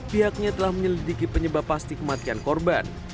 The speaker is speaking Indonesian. pihaknya telah menyelidiki penyebab pasti kematian korban